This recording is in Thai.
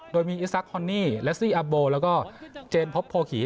โดยมีอิซักฮอนนี่เลสซี่อับโบแล้วก็เจนพบโพขี่